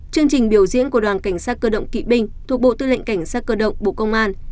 chương trình biểu diễn của đoàn cảnh sát cơ động kỵ binh thuộc bộ tư lệnh cảnh sát cơ động bộ công an